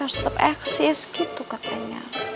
harus tetep eksis gitu katanya